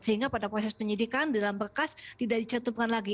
sehingga pada proses penyidikan dalam berkas tidak dicentupkan lagi